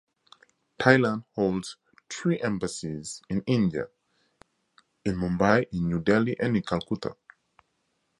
Thailand holds three embassies in India: in Mumbai, in New Delhi, and in Calcutta.